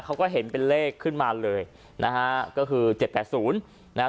เขาก็เห็นเป็นเลขขึ้นมาเลยนะฮะก็คือเจ็ดแปดศูนย์นะฮะ